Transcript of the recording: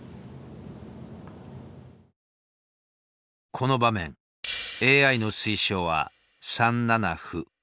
この場面ＡＩの推奨は３七歩。